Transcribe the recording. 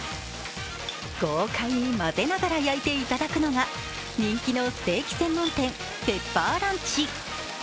豪快にまぜながら焼いていただくのが人気のステーキ専門店ペッパーランチ。